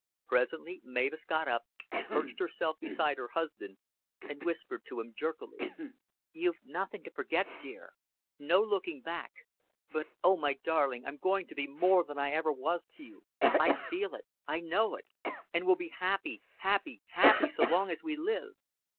Presently Mavis got up, perched herself beside her husband, and whispered to him jerkily. "You've nothing to forget, dear. No looking back. But, oh, my darling, I'm going to be more than I ever was to you. I feel it. I know it an' we'll be happy, happy, happy, so long as we live."